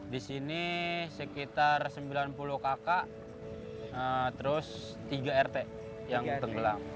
di sini sekitar sembilan puluh kakak terus tiga rt yang tenggelam